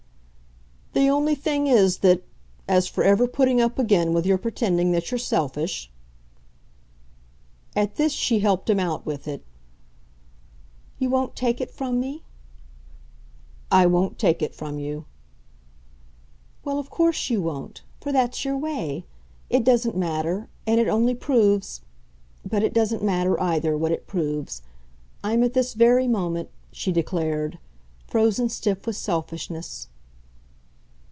"The only thing is that, as for ever putting up again with your pretending that you're selfish !" At this she helped him out with it. "You won't take it from me?" "I won't take it from you." "Well, of course you won't, for that's your way. It doesn't matter, and it only proves ! But it doesn't matter, either, what it proves. I'm at this very moment," she declared, "frozen stiff with selfishness."